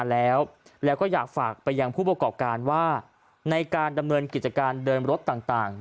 แล้วก็อยากฝากไปยังผู้ประกอบการว่าในการดำเนินกิจการเดินรถต่าง